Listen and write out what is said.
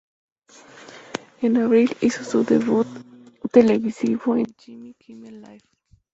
En abril, hizo su debut televisivo en "Jimmy Kimmel Live!